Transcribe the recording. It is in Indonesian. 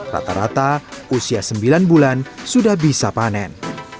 rata rata usia sembilan bulan sudah bisa panen